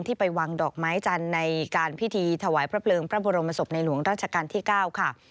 ไปวางดอกไม้จันทร์ในการพิธีถวายพระเพลิงพระบรมศพในหลวงราชการที่๙ค่ะ